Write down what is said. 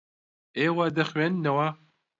ئێوە دەخوێننەوە.